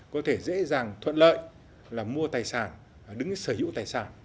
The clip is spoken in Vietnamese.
có thể dễ dàng thuận lợi là mua tài sản đứng sở hữu tài sản